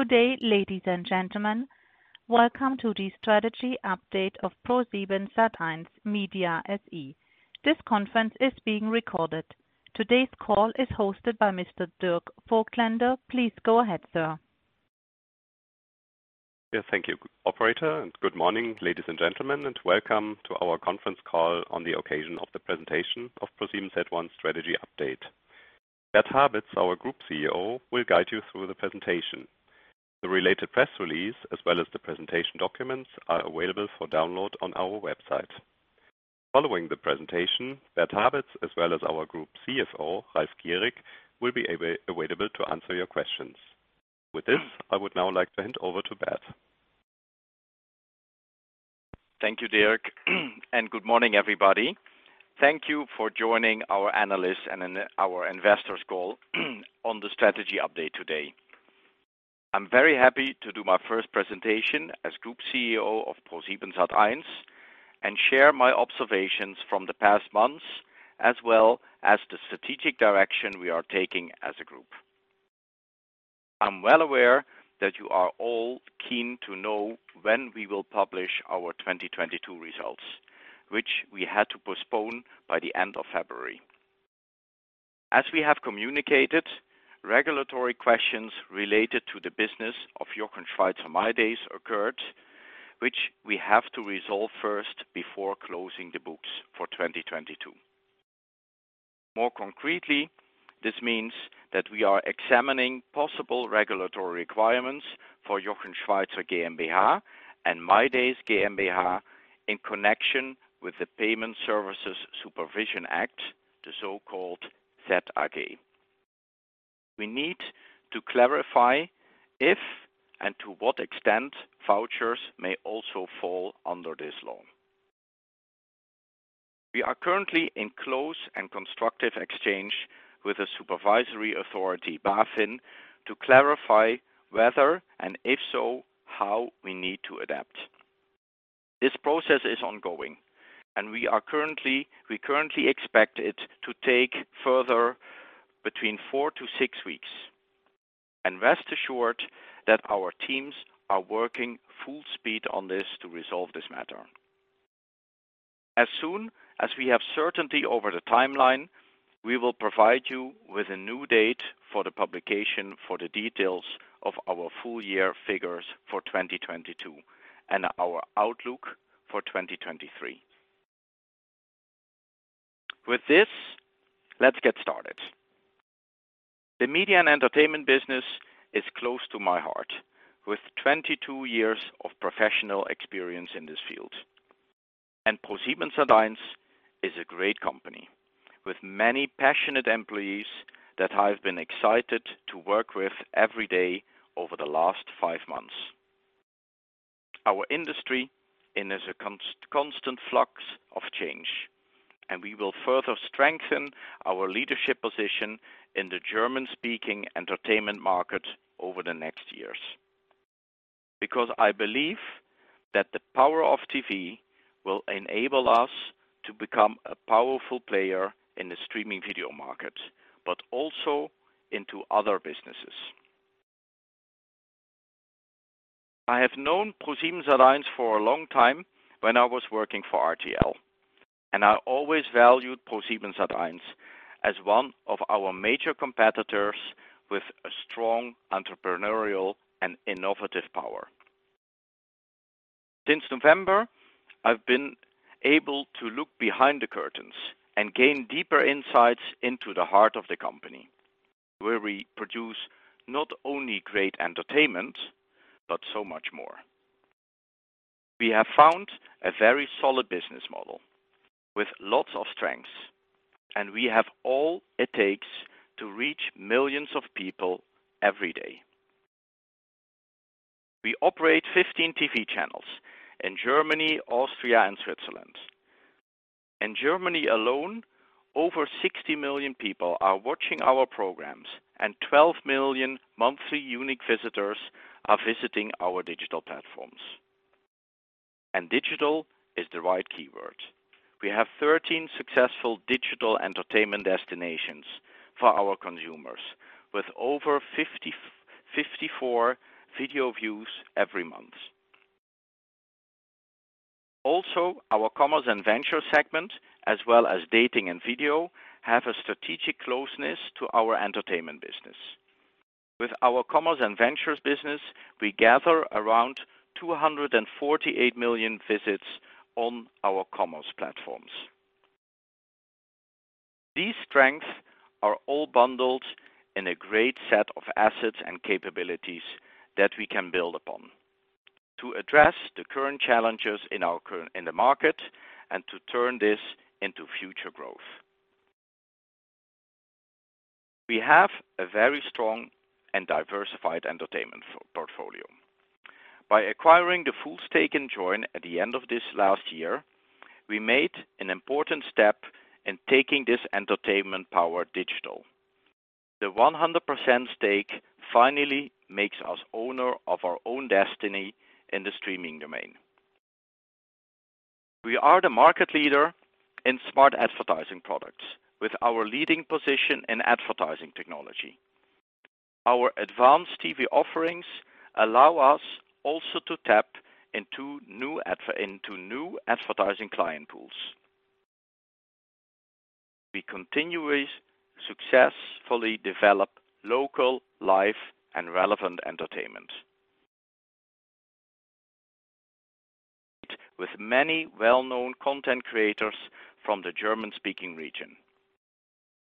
Good day, ladies and gentlemen. Welcome to the strategy update of ProSiebenSat.1 Media SE. This conference is being recorded. Today's call is hosted by Mr. Dirk Voigtländer. Please go ahead, sir. Yes, thank you, operator, and good morning, ladies and gentlemen, and welcome to our conference call on the occasion of the presentation of ProSiebenSat.1 strategy update. Bert Habets, our Group CEO, will guide you through the presentation. The related press release, as well as the presentation documents, are available for download on our website. Following the presentation, Bert Habets, as well as our Group CFO, Ralf Gierig, will be available to answer your questions. With this, I would now like to hand over to Bert. Thank you, Dirk, good morning, everybody. Thank you for joining our analysts and our investors call on the strategy update today. I'm very happy to do my first presentation as Group CEO of ProSiebenSat.1 and share my observations from the past months, as well as the strategic direction we are taking as a group. I'm well aware that you are all keen to know when we will publish our 2022 results, which we had to postpone by the end of February. As we have communicated, regulatory questions related to the business of Jochen Schweizer mydays occurred, which we have to resolve first before closing the books for 2022. More concretely, this means that we are examining possible regulatory requirements for Jochen Schweizer GmbH and mydays GmbH in connection with the Payment Services Supervision Act, the so-called ZAG. We need to clarify if and to what extent vouchers may also fall under this law. We are currently in close and constructive exchange with the supervisory authority, BaFin, to clarify whether, and if so, how we need to adapt. This process is ongoing. We currently expect it to take further between four to six weeks. Rest assured that our teams are working full speed on this to resolve this matter. As soon as we have certainty over the timeline, we will provide you with a new date for the publication for the details of our full year figures for 2022 and our outlook for 2023. With this, let's get started. The media and entertainment business is close to my heart, with 22 years of professional experience in this field. ProSiebenSat.1 is a great company with many passionate employees that I've been excited to work with every day over the last five months. Our industry is in a constant flux of change, and we will further strengthen our leadership position in the German-speaking entertainment market over the next years. I believe that the power of TV will enable us to become a powerful player in the streaming video market, but also into other businesses. I have known ProSiebenSat.1 for a long time when I was working for RTL, and I always valued ProSiebenSat.1 as one of our major competitors with a strong entrepreneurial and innovative power. Since November, I've been able to look behind the curtains and gain deeper insights into the heart of the company, where we produce not only great entertainment, but so much more. We have found a very solid business model with lots of strengths, and we have all it takes to reach millions of people every day. We operate 15 TV channels in Germany, Austria, and Switzerland. In Germany alone, over 60 million people are watching our programs, and 12 million monthly unique visitors are visiting our digital platforms. Digital is the right keyword. We have 13 successful digital entertainment destinations for our consumers, with over 54 video views every month. Also, our commerce and venture segment, as well as dating and video, have a strategic closeness to our entertainment business. With our commerce and ventures business, we gather around 248 million visits on our commerce platforms. These strengths are all bundled in a great set of assets and capabilities that we can build upon to address the current challenges in the market and to turn this into future growth. We have a very strong and diversified entertainment portfolio. By acquiring the full stake in Joyn at the end of this last year, we made an important step in taking this entertainment power digital. The 100% stake finally makes us owner of our own destiny in the streaming domain. We are the market leader in smart advertising products with our leading position in advertising technology. Our advanced TV offerings allow us also to tap into new advertising client pools. We continuously successfully develop local, live, and relevant entertainment. With many well-known content creators from the German-speaking region.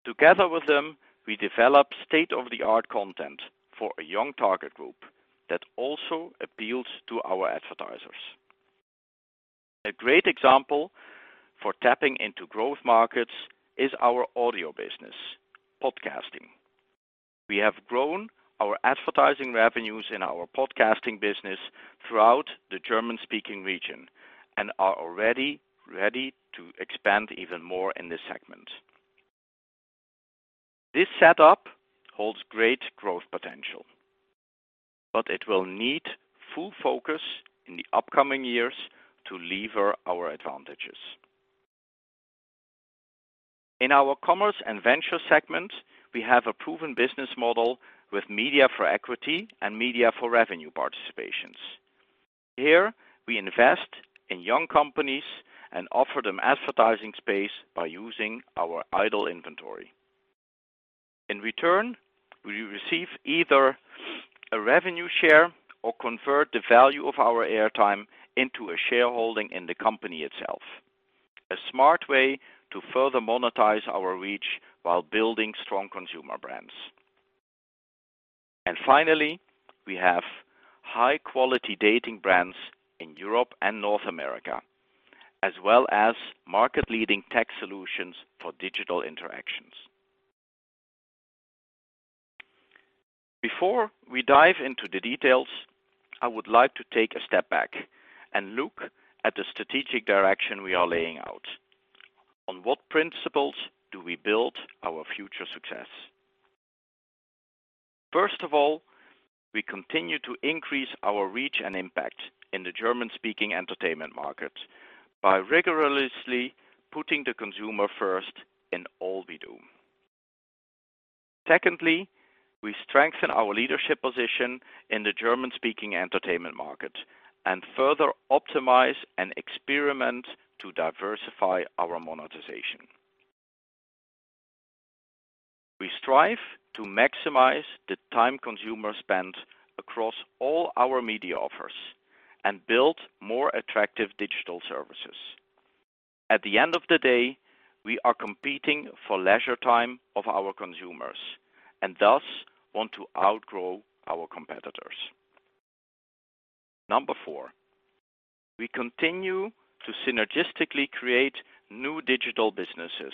Together with them, we develop state-of-the-art content for a young target group that also appeals to our advertisers. A great example for tapping into growth markets is our audio business, podcasting. We have grown our advertising revenues in our podcasting business throughout the German-speaking region and are already ready to expand even more in this segment. This setup holds great growth potential, but it will need full focus in the upcoming years to lever our advantages. In our commerce and venture segment, we have a proven business model with media for equity and media for revenue participations. Here, we invest in young companies and offer them advertising space by using our idle inventory. In return, we receive either a revenue share or convert the value of our airtime into a shareholding in the company itself. A smart way to further monetize our reach while building strong consumer brands. Finally, we have high-quality dating brands in Europe and North America, as well as market-leading tech solutions for digital interactions. Before we dive into the details, I would like to take a step back and look at the strategic direction we are laying out. On what principles do we build our future success? First of all, we continue to increase our reach and impact in the German-speaking entertainment market by rigorously putting the consumer first in all we do. Secondly, we strengthen our leadership position in the German-speaking entertainment market and further optimize and experiment to diversify our monetization. We strive to maximize the time consumers spend across all our media offers and build more attractive digital services. At the end of the day, we are competing for leisure time of our consumers and thus want to outgrow our competitors. Number four, we continue to synergistically create new digital businesses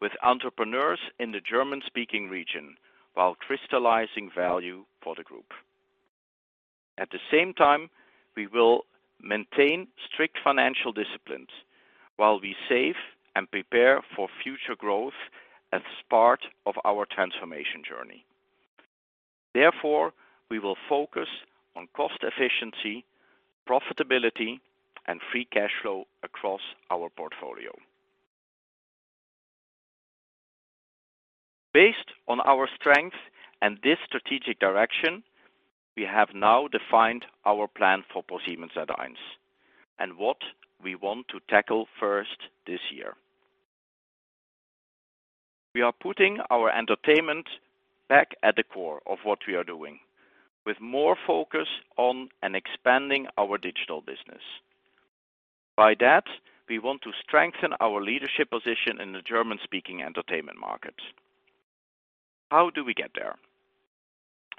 with entrepreneurs in the German-speaking region while crystallizing value for the group. At the same time, we will maintain strict financial disciplines while we save and prepare for future growth as part of our transformation journey. Therefore, we will focus on cost efficiency, profitability, and free cash flow across our portfolio. Based on our strength and this strategic direction, we have now defined our plan for ProSiebenSat.1 and what we want to tackle first this year. We are putting our entertainment back at the core of what we are doing with more focus on and expanding our digital business. By that, we want to strengthen our leadership position in the German-speaking entertainment market. How do we get there?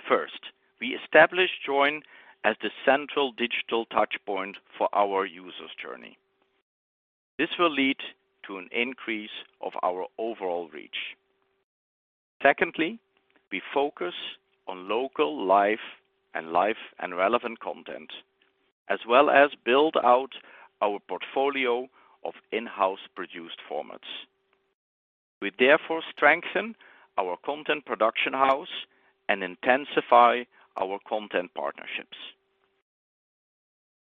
First, we establish Joyn as the central digital touch point for our users' journey. This will lead to an increase of our overall reach. Secondly, we focus on local, live, and live and relevant content, as well as build out our portfolio of in-house produced formats. We therefore strengthen our content production house and intensify our content partnerships.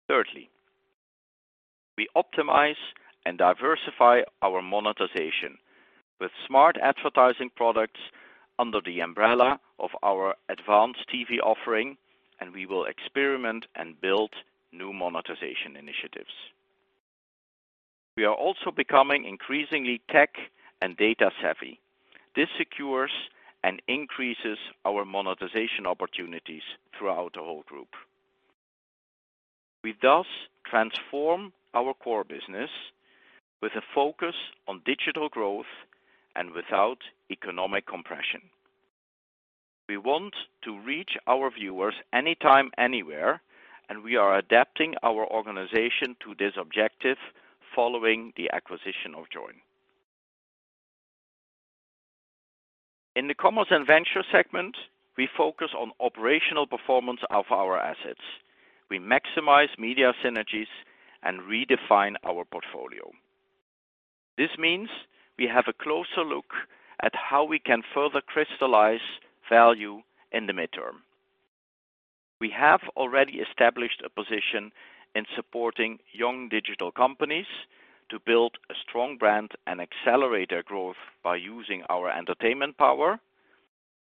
Thirdly, we optimize and diversify our monetization with smart advertising products under the umbrella of our advanced TV offering, and we will experiment and build new monetization initiatives. We are also becoming increasingly tech and data savvy. This secures and increases our monetization opportunities throughout the whole group. We thus transform our core business with a focus on digital growth and without economic compression. We want to reach our viewers anytime, anywhere, and we are adapting our organization to this objective following the acquisition of Joyn. In the commerce and venture segment, we focus on operational performance of our assets. We maximize media synergies and redefine our portfolio. This means we have a closer look at how we can further crystallize value in the midterm. We have already established a position in supporting young digital companies to build a strong brand and accelerate their growth by using our entertainment power,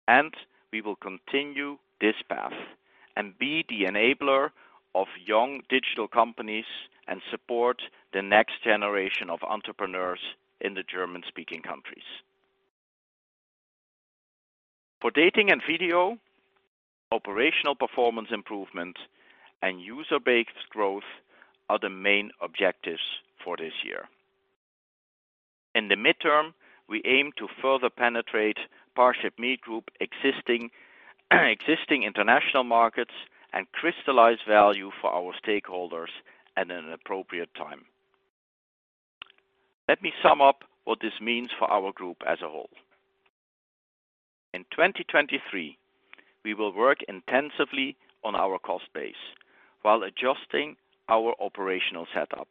and we will continue this path and be the enabler of young digital companies and support the next generation of entrepreneurs in the German-speaking countries. For Dating and Video, operational performance improvement and user-based growth are the main objectives for this year. In the midterm, we aim to further penetrate ParshipMeet Group existing international markets and crystallize value for our stakeholders at an appropriate time. Let me sum up what this means for our group as a whole. In 2023, we will work intensively on our cost base while adjusting our operational setup.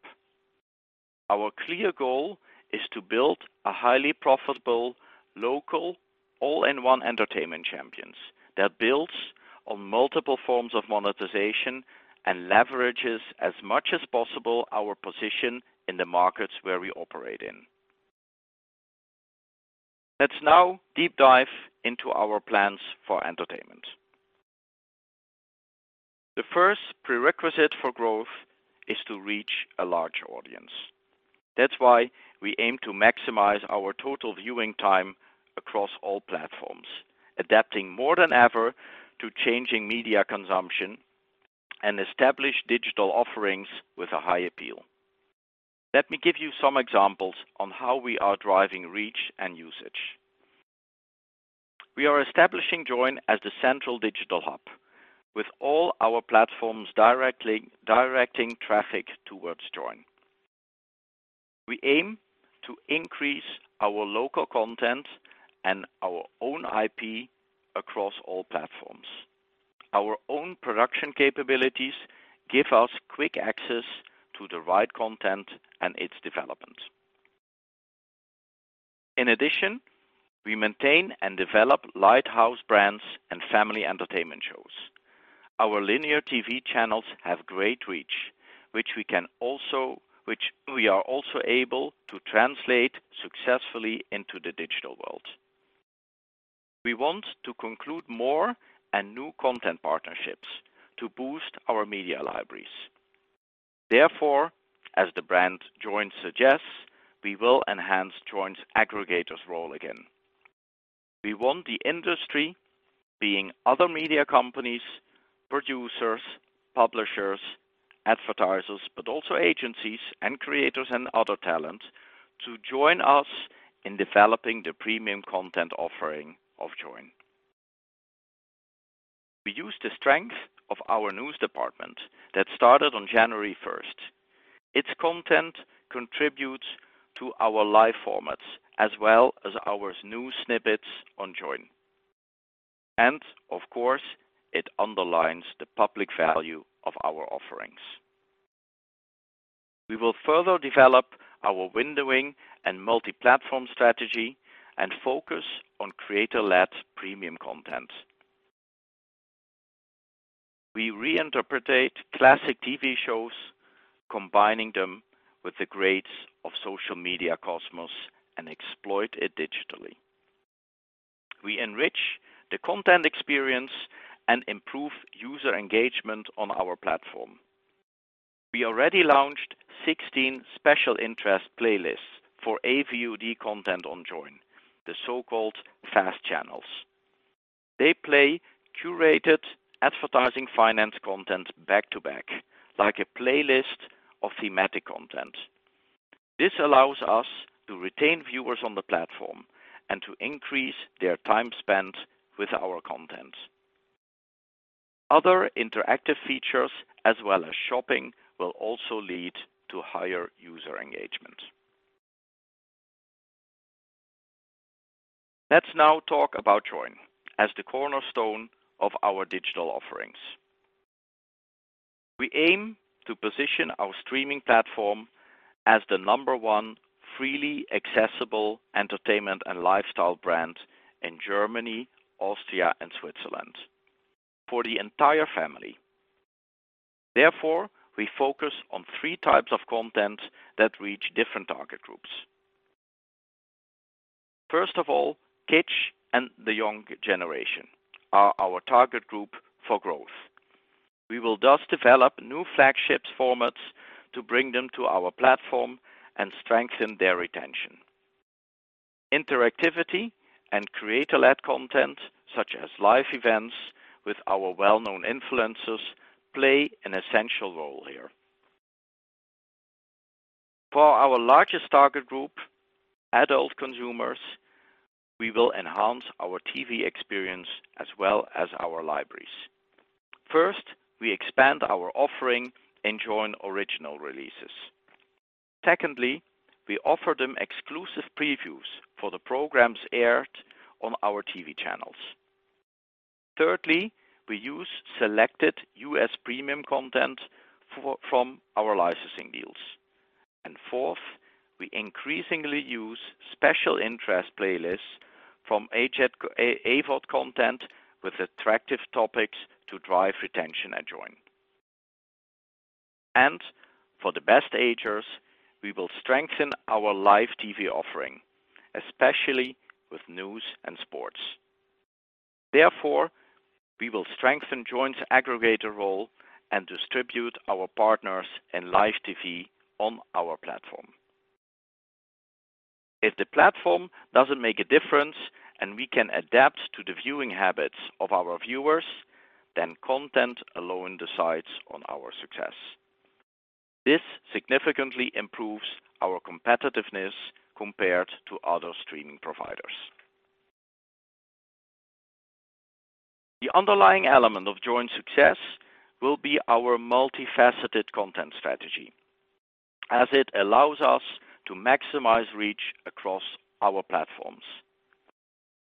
Our clear goal is to build a highly profitable local all-in-one entertainment champions that builds on multiple forms of monetization and leverages as much as possible our position in the markets where we operate in. Let's now deep dive into our plans for entertainment. The first prerequisite for growth is to reach a large audience. That's why we aim to maximize our total viewing time across all platforms, adapting more than ever to changing media consumption and establish digital offerings with a high appeal. Let me give you some examples on how we are driving reach and usage. We are establishing Joyn as the central digital hub, with all our platforms directing traffic towards Joyn. We aim to increase our local content and our own IP across all platforms. Our own production capabilities give us quick access to the right content and its development. In addition, we maintain and develop lighthouse brands and family entertainment shows. Our linear TV channels have great reach, which we are also able to translate successfully into the digital world. We want to conclude more and new content partnerships to boost our media libraries. Therefore, as the brand Joyn suggests, we will enhance Joyn's aggregator's role again. We want the industry, being other media companies, producers, publishers, advertisers, but also agencies and creators and other talent, to join us in developing the premium content offering of Joyn. We use the strength of our news department that started on January 1st. Its content contributes to our live formats as well as our news snippets on Joyn, and of course, it underlines the public value of our offerings. We will further develop our windowing and multi-platform strategy and focus on creator-led premium content. We reinterpret classic TV shows, combining them with the greats of social media cosmos and exploit it digitally. We enrich the content experience and improve user engagement on our platform. We already launched 16 special interest playlists for AVOD content on Joyn, the so-called FAST channels. They play curated advertising finance content back to back, like a playlist of thematic content. This allows us to retain viewers on the platform and to increase their time spent with our content. Other interactive features, as well as shopping, will also lead to higher user engagement. Let's now talk about Joyn as the cornerstone of our digital offerings. We aim to position our streaming platform as the number one freely accessible entertainment and lifestyle brand in Germany, Austria, and Switzerland for the entire family. Therefore, we focus on three types of content that reach different target groups. First of all, kids and the young generation are our target group for growth. We will thus develop new flagship formats to bring them to our platform and strengthen their retention. Interactivity and creator-led content, such as live events with our well-known influencers, play an essential role here. For our largest target group, adult consumers, we will enhance our TV experience as well as our libraries. First, we expand our offering in Joyn original releases. Secondly, we offer them exclusive previews for the programs aired on our TV channels. Thirdly, we use selected U.S. premium content from our licensing deals. Fourth, we increasingly use special interest playlists from AVOD content with attractive topics to drive retention at Joyn. For the best agers, we will strengthen our live TV offering, especially with news and sports. We will strengthen Joyn's aggregator role and distribute our partners in live TV on our platform. If the platform doesn't make a difference and we can adapt to the viewing habits of our viewers, then content alone decides on our success. This significantly improves our competitiveness compared to other streaming providers. The underlying element of Joyn's success will be our multifaceted content strategy, as it allows us to maximize reach across our platforms.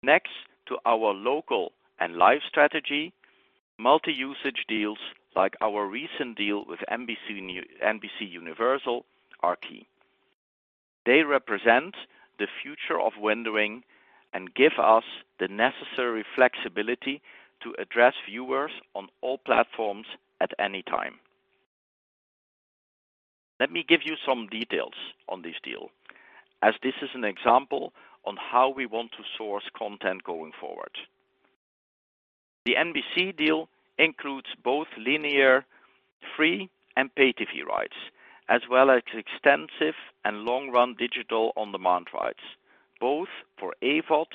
Next to our local and live strategy, multi-usage deals like our recent deal with NBCUniversal are key. They represent the future of windowing and give us the necessary flexibility to address viewers on all platforms at any time. Let me give you some details on this deal, as this is an example on how we want to source content going forward. The NBC deal includes both linear, free, and pay TV rights, as well as extensive and long-run digital on-demand rights, both for AVOD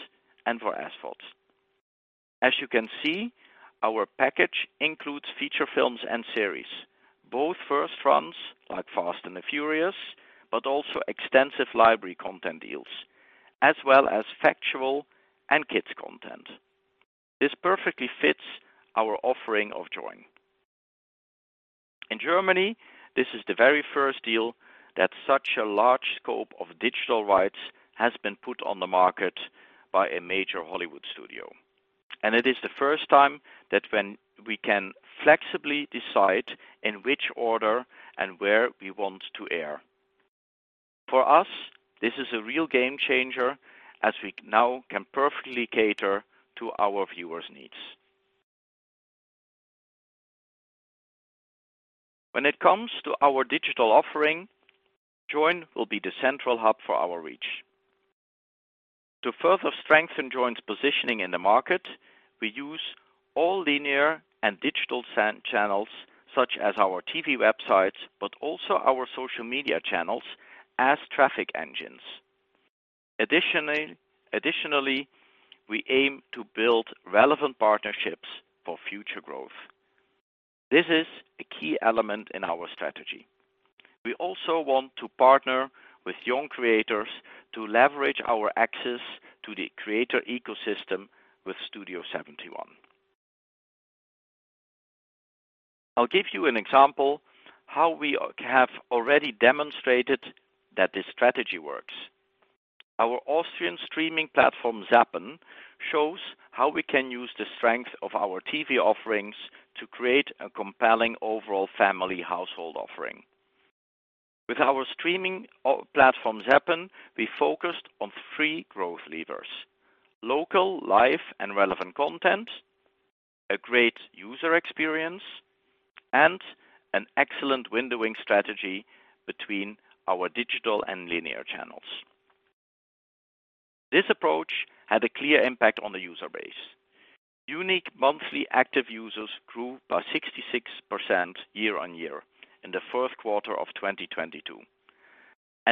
and for SVOD. As you can see, our package includes feature films and series, both first runs like The Fast and the Furious, but also extensive library content deals, as well as factual and kids content. This perfectly fits our offering of Joyn. In Germany, this is the very first deal that such a large scope of digital rights has been put on the market by a major Hollywood studio. It is the first time that when we can flexibly decide in which order and where we want to air. For us, this is a real game changer as we now can perfectly cater to our viewers' needs. When it comes to our digital offering, Joyn will be the central hub for our reach. To further strengthen Joyn's positioning in the market, we use all linear and digital channels, such as our TV websites, but also our social media channels as traffic engines. Additionally, we aim to build relevant partnerships for future growth. This is a key element in our strategy. We also want to partner with young creators to leverage our access to the creator ecosystem with Studio71. I'll give you an example how we have already demonstrated that this strategy works. Our Austrian streaming platform, ZAPPN, shows how we can use the strength of our TV offerings to create a compelling overall family household offering. With our streaming platform, ZAPPN, we focused on three growth levers: local, live, and relevant content, a great user experience, and an excellent windowing strategy between our digital and linear channels. This approach had a clear impact on the user base. Unique monthly active users grew by 66% year-on-year in the first quarter of 2022.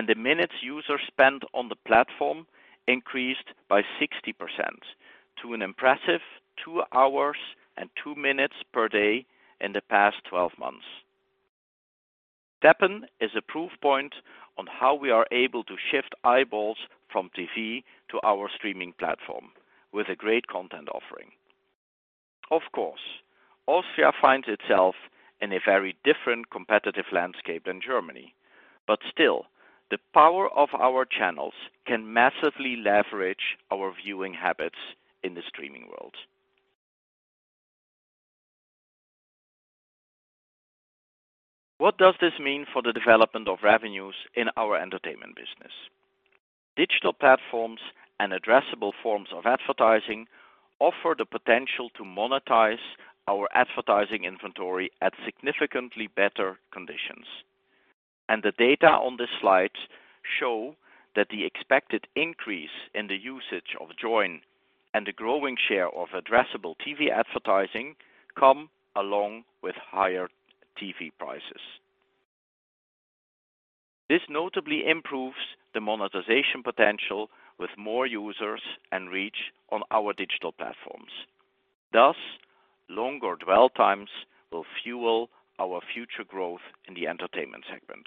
The minutes users spent on the platform increased by 60% to an impressive two hours and two minutes per day in the past 12 months. ZAPPN is a proof point on how we are able to shift eyeballs from TV to our streaming platform with a great content offering. Of course, Austria finds itself in a very different competitive landscape than Germany. Still, the power of our channels can massively leverage our viewing habits in the streaming world. What does this mean for the development of revenues in our entertainment business? Digital platforms and addressable forms of advertising offer the potential to monetize our advertising inventory at significantly better conditions. The data on this slide show that the expected increase in the usage of Joyn and the growing share of addressable TV advertising come along with higher TV prices. This notably improves the monetization potential with more users and reach on our digital platforms. Thus, longer dwell times will fuel our future growth in the entertainment segment.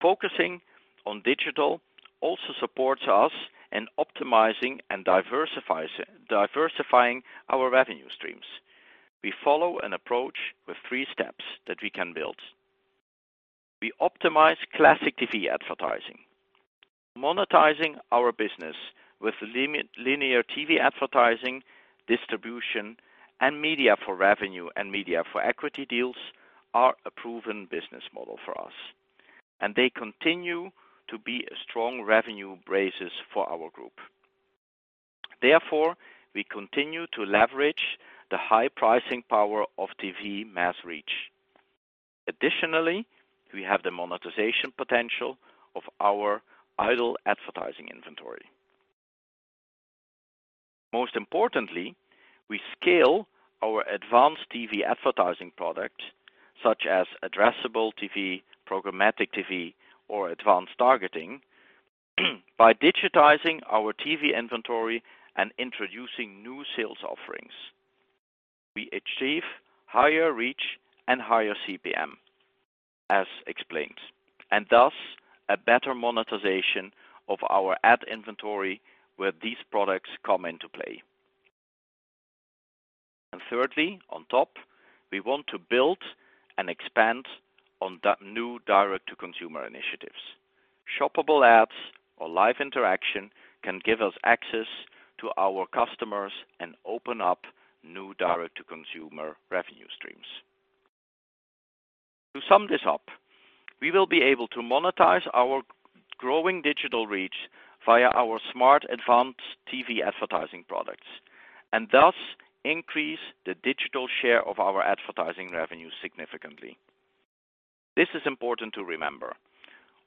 Focusing on digital also supports us in optimizing and diversifying our revenue streams. We follow an approach with 3 steps that we can build. We optimize classic TV advertising. Monetizing our business with linear TV advertising, distribution, and media for revenue and media for equity deals are a proven business model for us, and they continue to be a strong revenue basis for our group. Therefore, we continue to leverage the high pricing power of TV mass reach. Additionally, we have the monetization potential of our idle advertising inventory. Most importantly, we scale our advanced TV advertising products, such as addressable TV, programmatic TV, or advanced targeting by digitizing our TV inventory and introducing new sales offerings. We achieve higher reach and higher CPM, as explained, and thus a better monetization of our ad inventory where these products come into play. Thirdly, on top, we want to build and expand on that new direct-to-consumer initiatives. shoppable ads or live interaction can give us access to our customers and open up new direct-to-consumer revenue streams. To sum this up, we will be able to monetize our growing digital reach via our smart advanced TV advertising products and thus increase the digital share of our advertising revenue significantly. This is important to remember.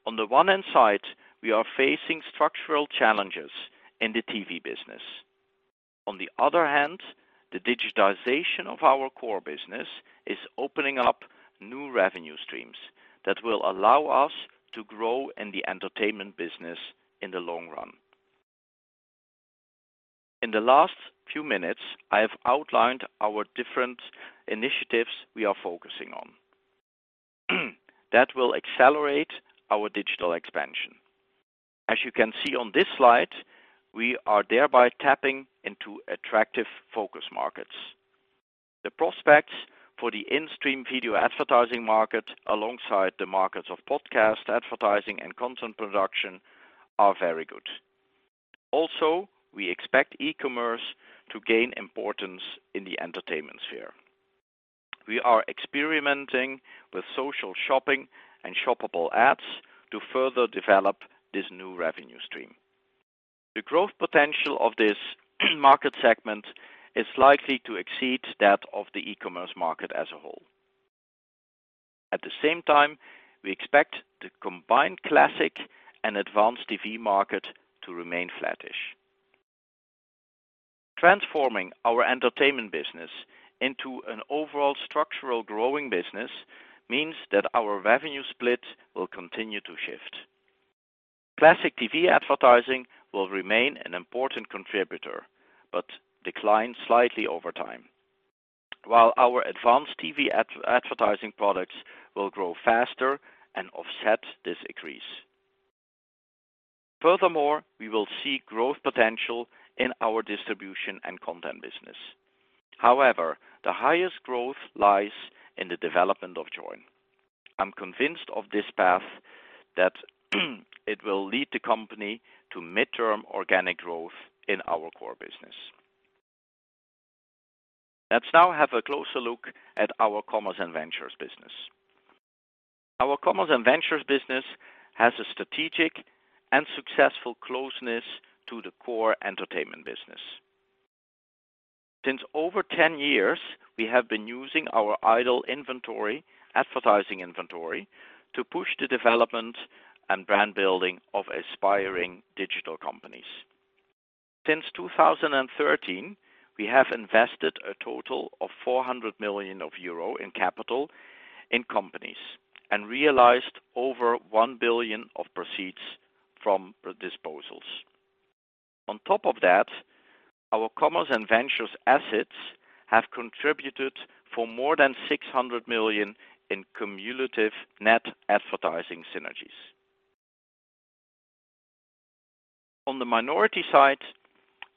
On the one hand side, we are facing structural challenges in the TV business. On the other hand, the digitization of our core business is opening up new revenue streams that will allow us to grow in the entertainment business in the long run. In the last few minutes, I have outlined our different initiatives we are focusing on that will accelerate our digital expansion. As you can see on this slide, we are thereby tapping into attractive focus markets. The prospects for the in-stream video advertising market alongside the markets of podcast advertising and content production are very good. Also, we expect e-commerce to gain importance in the entertainment sphere. We are experimenting with social shopping and shoppable ads to further develop this new revenue stream. The growth potential of this market segment is likely to exceed that of the e-commerce market as a whole. At the same time, we expect the combined classic and advanced TV market to remain flattish. Transforming our entertainment business into an overall structural growing business means that our revenue split will continue to shift. Classic TV advertising will remain an important contributor but decline slightly over time. Our advanced TV advertising products will grow faster and offset this increase. We will see growth potential in our distribution and content business. The highest growth lies in the development of Joyn. I'm convinced of this path that it will lead the company to mid-term organic growth in our core business. Let's now have a closer look at our Commerce and Ventures business. Our Commerce and Ventures business has a strategic and successful closeness to the core entertainment business. Since over 10 years, we have been using our idle inventory, advertising inventory, to push the development and brand building of aspiring digital companies. Since 2013, we have invested a total of 400 million euro in capital in companies and realized over 1 billion of proceeds from disposals. On top of that, our Commerce and Ventures assets have contributed for more than 600 million in cumulative net advertising synergies. On the minority side,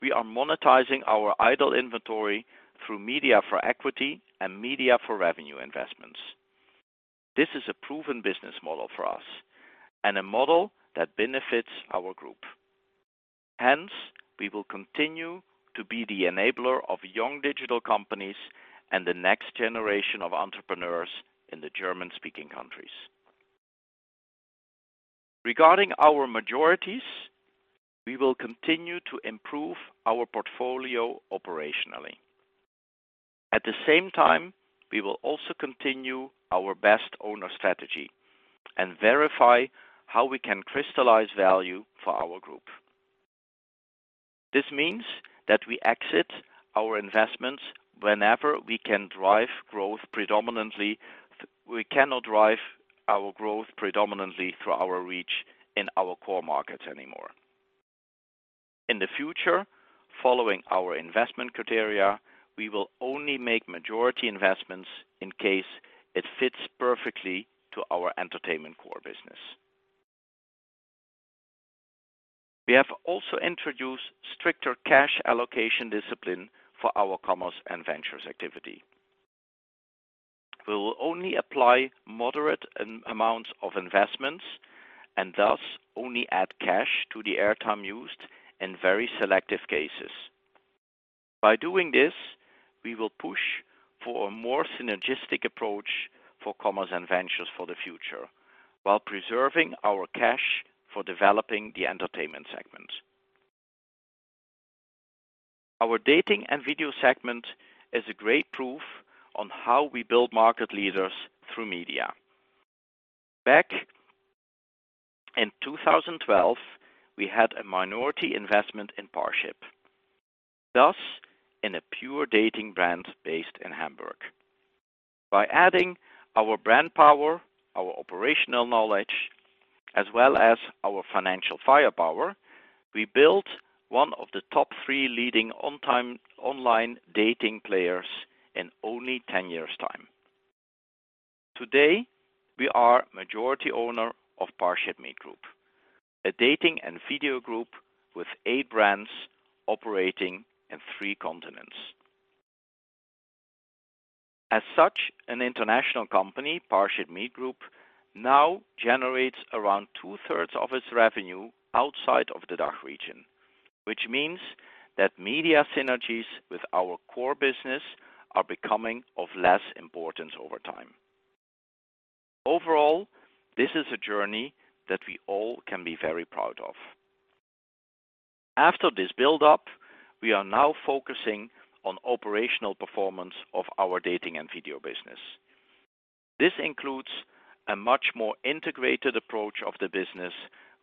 we are monetizing our idle inventory through media for equity and media for revenue investments. This is a proven business model for us and a model that benefits our group. We will continue to be the enabler of young digital companies and the next generation of entrepreneurs in the German-speaking countries. Regarding our majorities, we will continue to improve our portfolio operationally. At the same time, we will also continue our best owner strategy and verify how we can crystallize value for our group. This means that we exit our investments whenever we can drive growth predominantly, we cannot drive our growth predominantly through our reach in our core markets anymore. In the future, following our investment criteria, we will only make majority investments in case it fits perfectly to our entertainment core business. We have also introduced stricter cash allocation discipline for our commerce and ventures activity. We will only apply moderate amounts of investments and thus only add cash to the airtime used in very selective cases. By doing this, we will push for a more synergistic approach for commerce and ventures for the future while preserving our cash for developing the entertainment segment. Our dating and video segment is a great proof on how we build market leaders through media. Back in 2012, we had a minority investment in Parship, thus in a pure dating brand based in Hamburg. By adding our brand power, our operational knowledge, as well as our financial firepower, we built one of the top three leading online dating players in only 10 years' time. Today, we are majority owner of ParshipMeet Group, a dating and video group with eight brands operating in three continents. As such an international company, ParshipMeet Group now generates around two-thirds of its revenue outside of the DACH region, which means that media synergies with our core business are becoming of less importance over time. This is a journey that we all can be very proud of. After this build-up, we are now focusing on operational performance of our dating and video business. This includes a much more integrated approach of the business,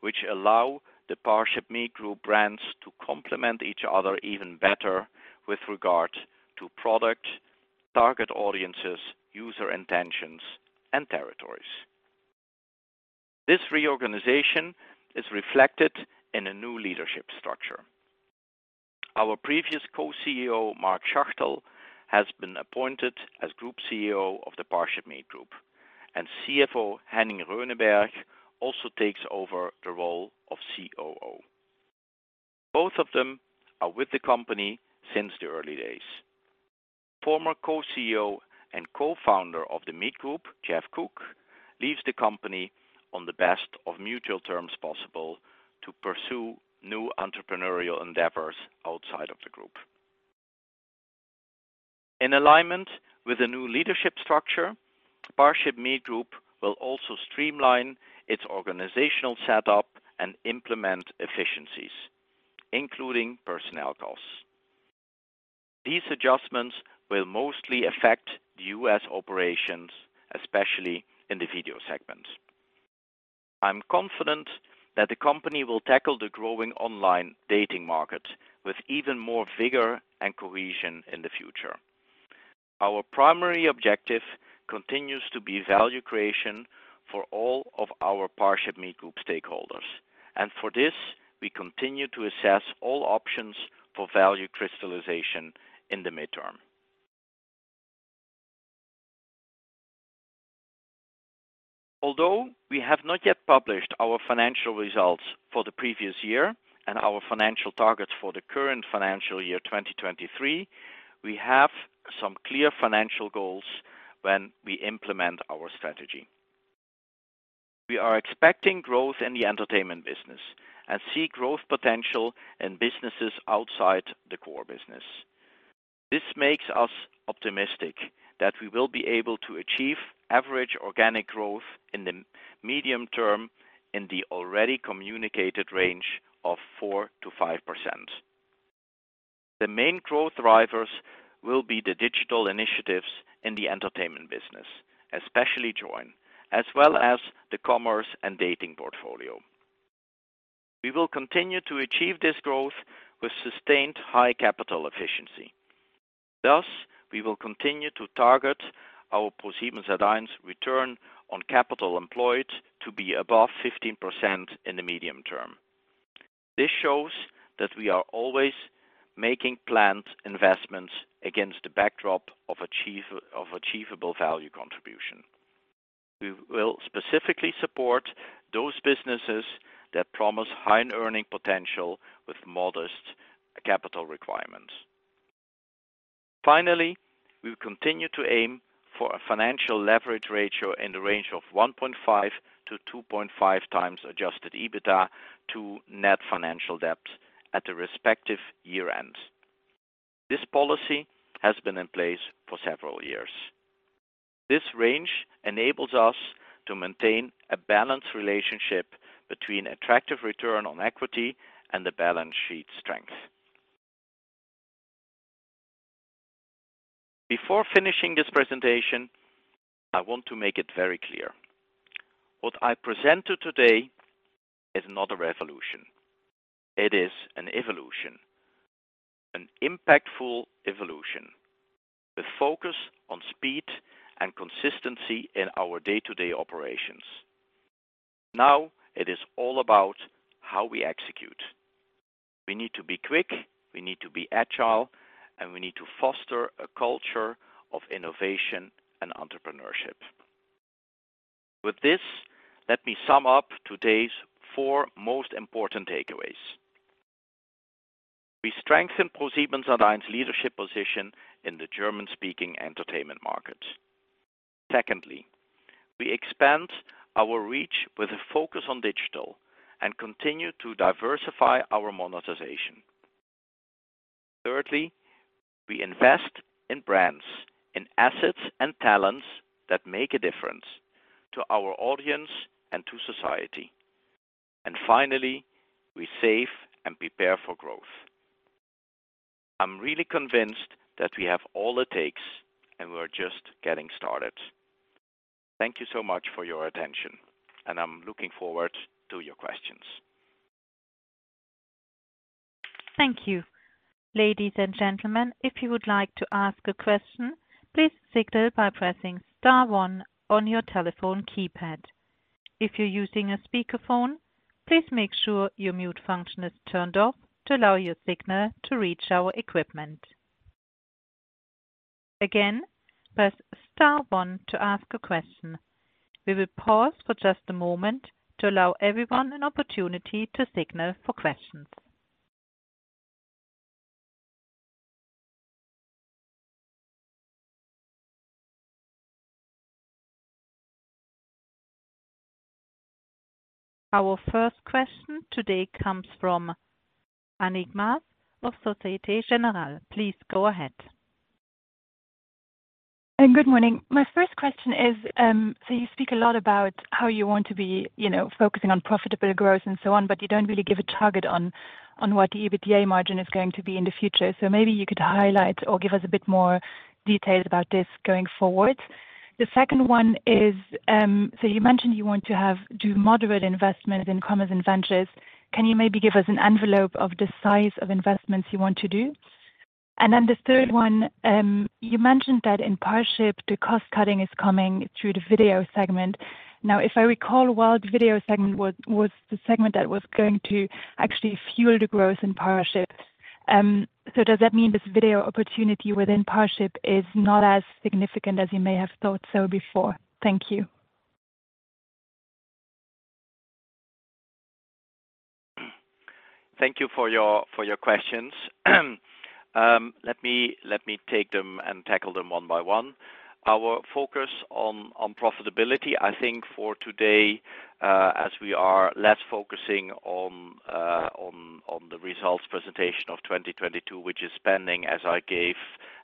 which allow the ParshipMeet Group brands to complement each other even better with regard to product, target audiences, user intentions, and territories. This reorganization is reflected in a new leadership structure. Our previous co-CEO, Marc Schachtel, has been appointed as Group CEO of the ParshipMeet Group, and CFO Henning Rönneberg also takes over the role of COO. Both of them are with the company since the early days. Former co-CEO and co-founder of the Meet Group, Geoff Cook, leaves the company on the best of mutual terms possible to pursue new entrepreneurial endeavors outside of the group. In alignment with the new leadership structure, ParshipMeet Group will also streamline its organizational setup and implement efficiencies, including personnel costs. These adjustments will mostly affect the U.S. operations, especially in the video segment. I'm confident that the company will tackle the growing online dating market with even more vigor and cohesion in the future. Our primary objective continues to be value creation for all of our ParshipMeet Group stakeholders. For this, we continue to assess all options for value crystallization in the midterm. Although we have not yet published our financial results for the previous year and our financial targets for the current financial year, 2023, we have some clear financial goals when we implement our strategy. We are expecting growth in the entertainment business and see growth potential in businesses outside the core business. This makes us optimistic that we will be able to achieve average organic growth in the medium term in the already communicated range of 4%-5%. The main growth drivers will be the digital initiatives in the entertainment business, especially Joyn, as well as the commerce and dating portfolio. We will continue to achieve this growth with sustained high capital efficiency. We will continue to target our ProSiebenSat.1’s return on capital employed to be above 15% in the medium term. This shows that we are always making planned investments against the backdrop of achievable value contribution. We will specifically support those businesses that promise high earning potential with modest capital requirements. Finally, we will continue to aim for a financial leverage ratio in 1.5 -2.5x adjusted EBITDA to net financial debt at the respective year-end. This policy has been in place for several years. This range enables us to maintain a balanced relationship between attractive return on equity and the balance sheet strength. Before finishing this presentation, I want to make it very clear. What I presented today is not a revolution. It is an evolution, an impactful evolution with focus on speed and consistency in our day-to-day operations. Now it is all about how we execute. We need to be quick, we need to be agile, and we need to foster a culture of innovation and entrepreneurship. With this, let me sum up today's four most important takeaways. We strengthen ProSiebenSat.1's leadership position in the German-speaking entertainment market. We expand our reach with a focus on digital and continue to diversify our monetization. We invest in brands, in assets and talents that make a difference to our audience and to society. Finally, we save and prepare for growth. I'm really convinced that we have all it takes. We're just getting started. Thank you so much for your attention. I'm looking forward to your questions. Thank you. Ladies and gentlemen, if you would like to ask a question, please signal by pressing star one on your telephone keypad. If you're using a speakerphone, please make sure your mute function is turned off to allow your signal to reach our equipment. Again, press star one to ask a question. We will pause for just a moment to allow everyone an opportunity to signal for questions. Our first question today comes from Annick Maas of Société Générale. Please go ahead. Good morning. My first question is, you speak a lot about how you want to be, you know, focusing on profitable growth and so on, but you don't really give a target on what the EBITDA margin is going to be in the future. Maybe you could highlight or give us a bit more details about this going forward. The second one is, you mentioned you want to do moderate investment in commerce and ventures. Can you maybe give us an envelope of the size of investments you want to do? The third one, you mentioned that in Parship, the cost-cutting is coming through the video segment. If I recall, well, video segment was the segment that was going to actually fuel the growth in Parship. Does that mean this video opportunity within Parship is not as significant as you may have thought so before? Thank you. Thank you for your questions. Let me take them and tackle them one by one. Our focus on profitability, I think for today, as we are less focusing on the results presentation of 2022, which is pending as I gave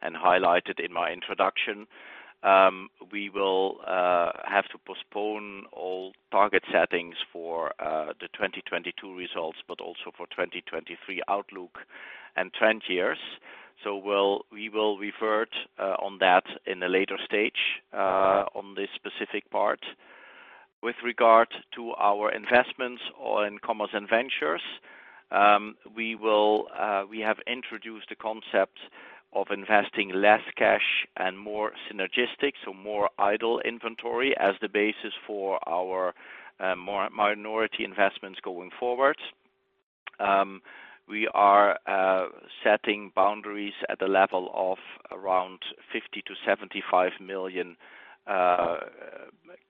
and highlighted in my introduction, we will have to postpone all target settings for the 2022 results, but also for 2023 outlook and trend years. We will revert on that in a later stage on this specific part. With regard to our investments in commerce and ventures, we have introduced the concept of investing less cash and more synergistic, so more idle inventory as the basis for our minority investments going forward. We are setting boundaries at the level of around 50 million-75 million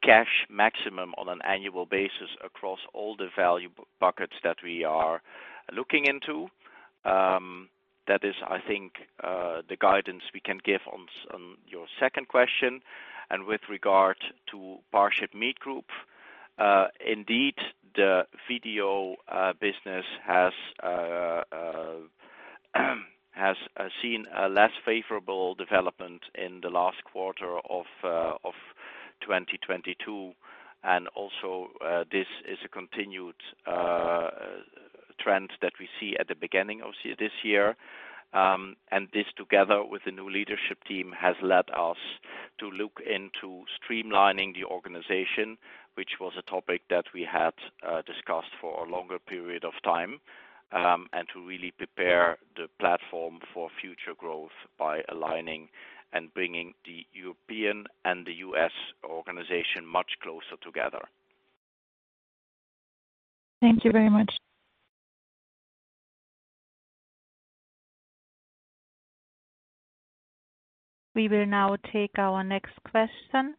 cash maximum on an annual basis across all the value buckets that we are looking into. That is, I think, the guidance we can give on your second question. With regard to ParshipMeet Group, indeed, the video business has seen a less favorable development in the last quarter of 2022. Also, this is a continued trend that we see at the beginning of this year. This, together with the new leadership team, has led us to look into streamlining the organization, which was a topic that we had discussed for a longer period of time, and to really prepare the platform for future growth by aligning and bringing the European and the U.S. organization much closer together. Thank you very much. We will now take our next question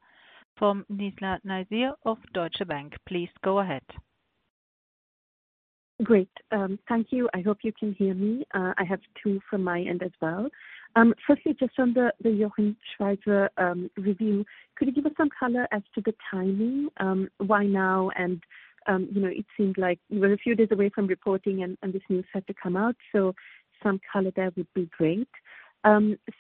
from Nizla Naizer of Deutsche Bank. Please go ahead. Great. Thank you. I hope you can hear me. I have two from my end as well. Firstly, just on the Jochen Schweizer review, could you give us some color as to the timing? Why now? You know, it seems like we're a few days away from reporting and this news had to come out, so some color there would be great.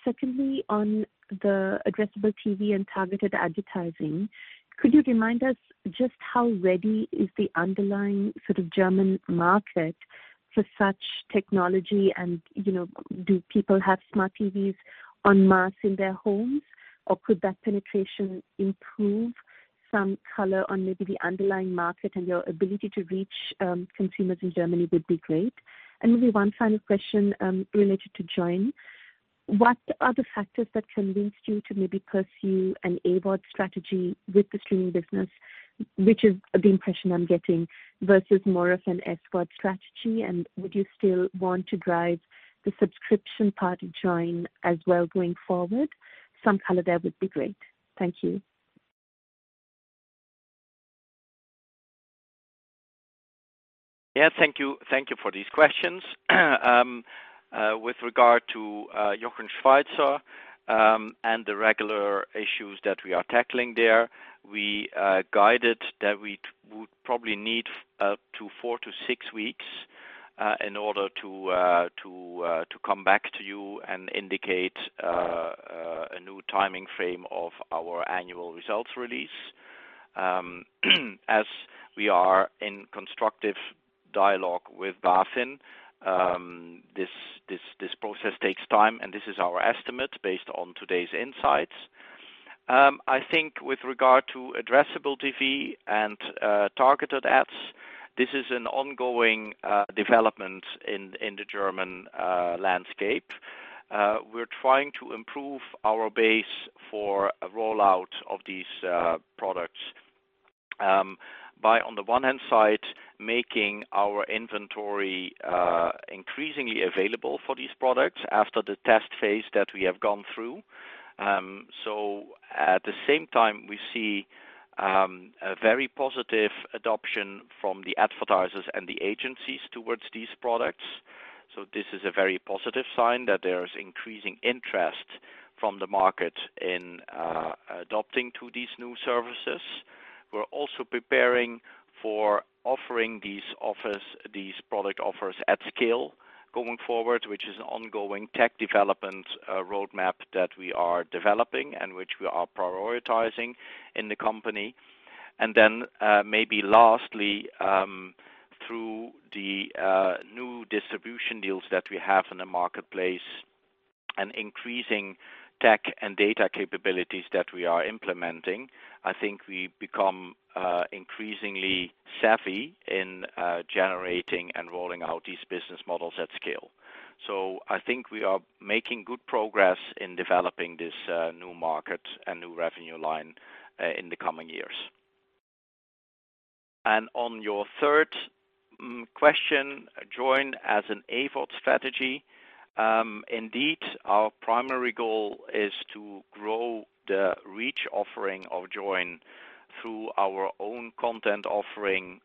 Secondly, on the addressable TV and targeted advertising, could you remind us just how ready is the underlying sort of German market for such technology? You know, do people have smart TVs en masse in their homes, or could that penetration improve? Some color on maybe the underlying market and your ability to reach consumers in Germany would be great. Maybe one final question, related to Joyn. What are the factors that convinced you to maybe pursue an AVOD strategy with the streaming business, which is the impression I'm getting, versus more of an SVOD strategy? Would you still want to drive the subscription part of Joyn as well going forward? Some color there would be great. Thank you. Thank you. Thank you for these questions. With regard to Jochen Schweizer and the regular issues that we are tackling there, we guided that we would probably need up to four to six weeks in order to come back to you and indicate a new timing frame of our annual results release. As we are in constructive dialogue with BaFin, this process takes time, and this is our estimate based on today's insights. I think with regard to addressable TV and targeted ads, this is an ongoing development in the German landscape. We're trying to improve our base for a rollout of these products by on the one hand side, making our inventory increasingly available for these products after the test phase that we have gone through. At the same time we see a very positive adoption from the advertisers and the agencies towards these products. This is a very positive sign that there is increasing interest from the market in adopting to these new services. We're also preparing for offering these product offers at scale going forward, which is an ongoing tech development roadmap that we are developing and which we are prioritizing in the company. Maybe lastly, through the new distribution deals that we have in the marketplace and increasing tech and data capabilities that we are implementing, I think we become increasingly savvy in generating and rolling out these business models at scale. I think we are making good progress in developing this new market and new revenue line in the coming years. On your third question, Joyn as an AVOD strategy. Indeed our primary goal is to grow the reach offering of Joyn through our own content offering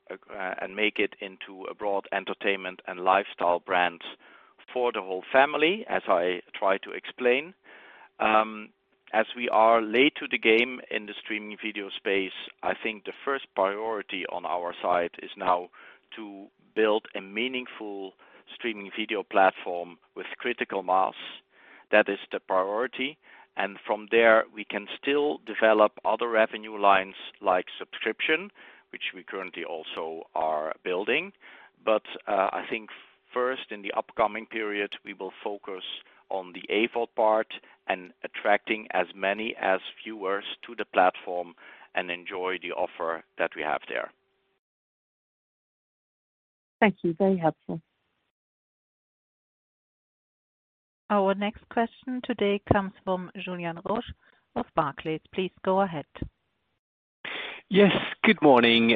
and make it into a broad entertainment and lifestyle brand for the whole family, as I try to explain. As we are late to the game in the streaming video space, I think the first priority on our side is now to build a meaningful streaming video platform with critical mass. That is the priority. From there we can still develop other revenue lines like subscription, which we currently also are building. I think first in the upcoming period, we will focus on the AVOD part and attracting as many as viewers to the platform and enjoy the offer that we have there. Thank you. Very helpful. Our next question today comes from Julien Roch of Barclays. Please go ahead. Yes, good morning.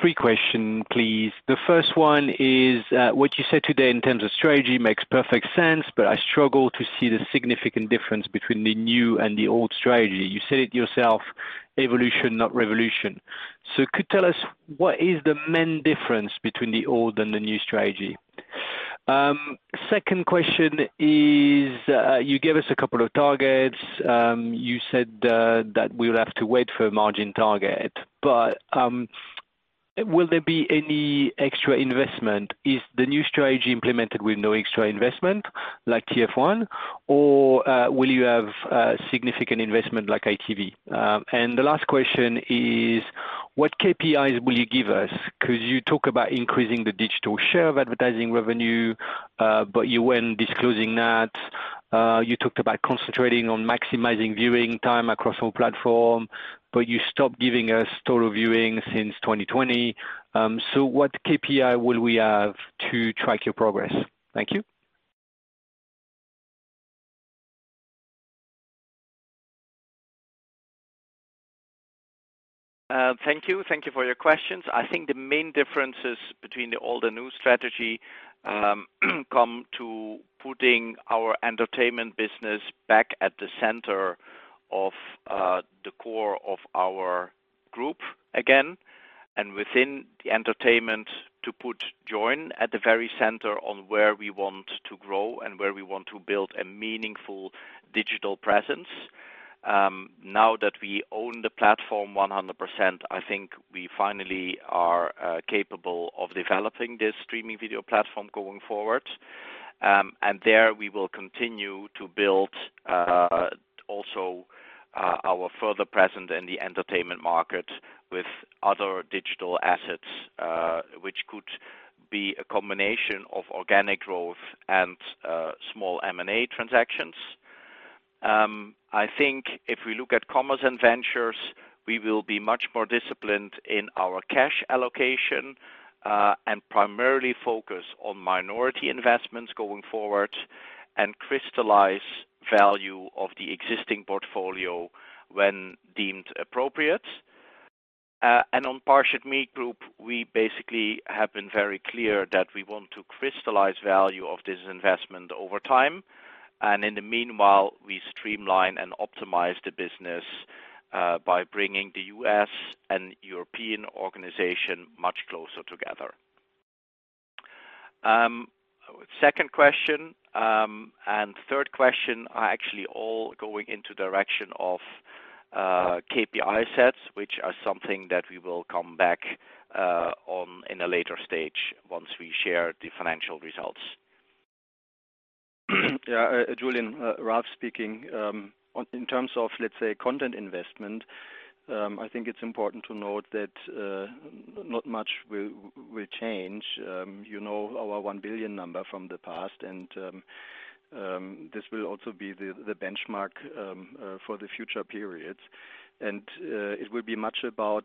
Three question, please. The first one is, what you said today in terms of strategy makes perfect sense, but I struggle to see the significant difference between the new and the old strategy. You said it yourself, evolution, not revolution. Could you tell us what is the main difference between the old and the new strategy? Second question is, you gave us a couple of targets. You said that we would have to wait for margin target, but will there be any extra investment? Is the new strategy implemented with no extra investment like TF1? Will you have significant investment like ITV? The last question is what KPIs will you give us? 'Cause you talk about increasing the digital share of advertising revenue, but you weren't disclosing that. You talked about concentrating on maximizing viewing time across all platforms, but you stopped giving us total viewing since 2020. What KPI will we have to track your progress? Thank you. Thank you. Thank you for your questions. I think the main differences between the old and new strategy come to putting our entertainment business back at the center of the core of our group again, and within the entertainment to put Joyn at the very center on where we want to grow and where we want to build a meaningful digital presence. Now that we own the platform 100%, I think we finally are capable of developing this streaming video platform going forward. There we will continue to build also our further presence in the entertainment market with other digital assets, which could be a combination of organic growth and small M&A transactions. I think if we look at Commerce and Ventures, we will be much more disciplined in our cash allocation, primarily focus on minority investments going forward and crystallize value of the existing portfolio when deemed appropriate. On ParshipMeet Group, we basically have been very clear that we want to crystallize value of this investment over time, and in the meanwhile, we streamline and optimize the business by bringing the U.S. and European organization much closer together. Second question, third question are actually all going into direction of KPI sets, which are something that we will come back on in a later stage once we share the financial results. Yeah, Julien, Ralf speaking. On, in terms of, let's say, content investment, I think it's important to note that not much will change. You know, our 1 billion number from the past and this will also be the benchmark for the future periods. It will be much about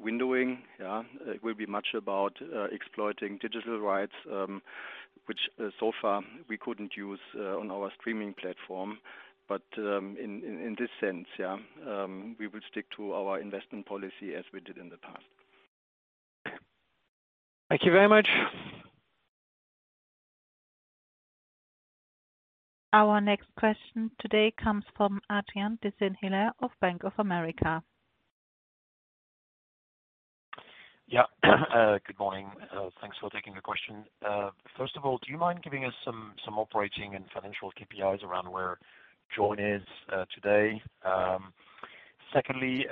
windowing, yeah. It will be much about exploiting digital rights, which so far we couldn't use on our streaming platform. In this sense, yeah, we will stick to our investment policy as we did in the past. Thank you very much. Our next question today comes from Adrien de Saint Hilaire of Bank of America. Yeah. Good morning. Thanks for taking the question. First of all, do you mind giving us some operating and financial KPIs around where Joyn is today? Secondly,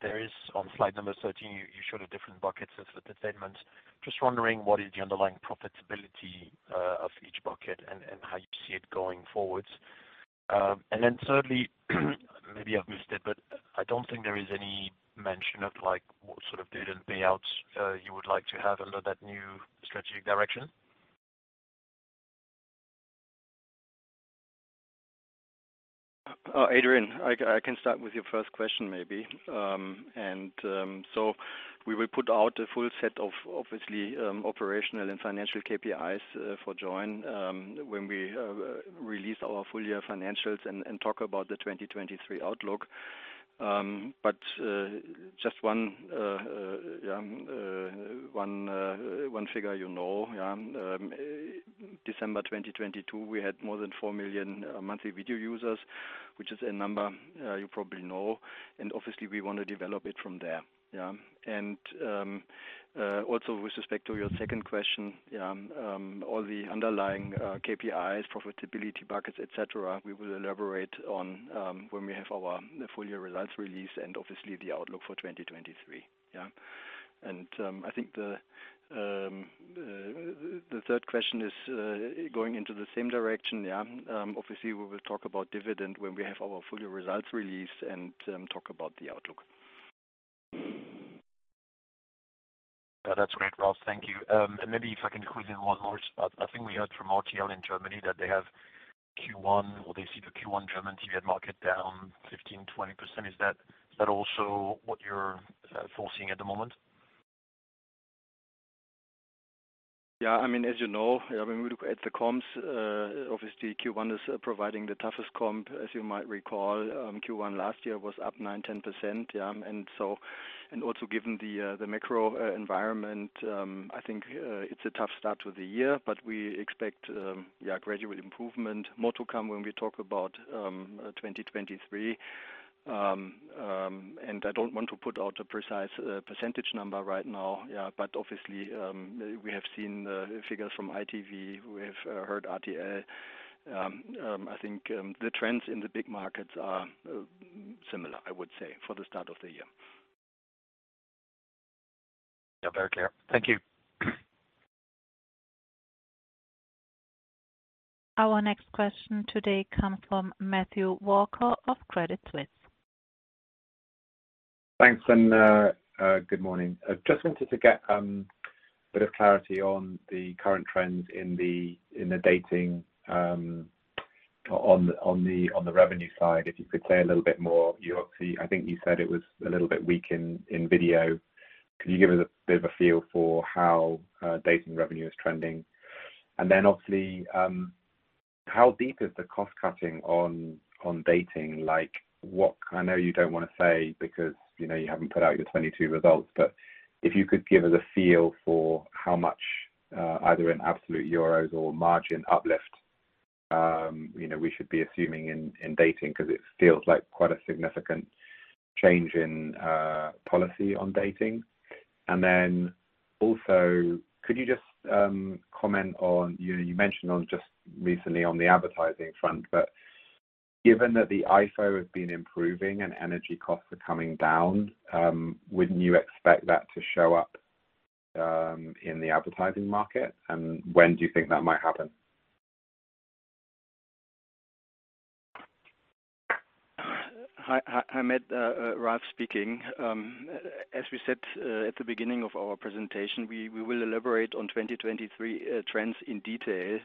there is on slide number 13, you showed the different buckets of entertainment. Just wondering what is the underlying profitability of each bucket and how you see it going forwards? Thirdly, maybe I've missed it, but I don't think there is any mention of like what sort of dividend payouts you would like to have under that new strategic direction? Adrien, I can start with your first question maybe. We will put out a full set of obviously, operational and financial KPIs for Joyn when we release our full year financials and talk about the 2023 outlook. Just one, yeah, one figure you know, yeah. December 2022, we had more than 4 million monthly video users, which is a number you probably know, and obviously we want to develop it from there. Yeah. Also with respect to your second question, yeah, all the underlying KPIs, profitability buckets, et cetera, we will elaborate on when we have our full year results released and obviously the outlook for 2023. Yeah. I think the third question is going into the same direction. Obviously we will talk about dividend when we have our full year results released and talk about the outlook. Yeah, that's great, Ralf. Thank you. Maybe if I can squeeze in one more. I think we heard from RTL in Germany that they have Q1 or they see the Q1 German TV ad market down 15%, 20%. Is that also what you're foreseeing at the moment? I mean, as you know, when we look at the comps, obviously Q1 is providing the toughest comp. As you might recall, Q1 last year was up 9%, 10%. Also given the macro environment, I think it's a tough start to the year, but we expect gradual improvement. More to come when we talk about 2023. I don't want to put out a precise % number right now. Obviously, we have seen the figures from ITV. We have heard RTL. I think the trends in the big markets are similar, I would say, for the start of the year. Yeah. Very clear. Thank you. Our next question today comes from Matthew Walker of Credit Suisse. Thanks, good morning. I just wanted to get a bit of clarity on the current trends in the dating on the revenue side. If you could say a little bit more, you obviously, I think you said it was a little bit weak in video. Could you give us a bit of a feel for how dating revenue is trending? Obviously, how deep is the cost cutting on dating? I know you don't wanna say because, you know, you haven't put out your 2022 results, but if you could give us a feel for how much either in absolute EUR or margin uplift, you know, we should be assuming in dating because it feels like quite a significant change in policy on dating. Also could you just, comment on, you know, you mentioned on just recently on the advertising front, but given that the IFO has been improving and energy costs are coming down, wouldn't you expect that to show up, in the advertising market? When do you think that might happen? Hi Matt, Ralf speaking. As we said at the beginning of our presentation, we will elaborate on 2023 trends in detail